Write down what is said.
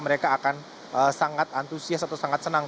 mereka akan sangat antusias atau sangat senang